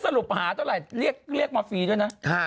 สรุปหาเท่าไหร่เรียกมาฟรีด้วยนะ